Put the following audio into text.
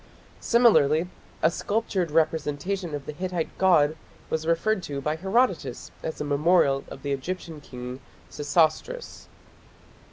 Similarly a sculptured representation of the Hittite god was referred to by Herodotus as a memorial of the Egyptian king Sesostris.